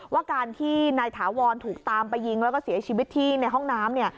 ว่าการที่นายถาวรถูกตามไปยิงแล้วก็เสียชีวิตที่ในห้องน้ำเนี่ย